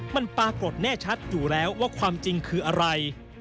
มันปรากฏแน่ชัดอยู่แล้วว่าความจริงคืออะไร